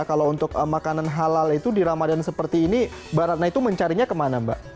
kalau untuk makanan halal itu di ramadhan seperti ini baratna itu mencarinya kemana mbak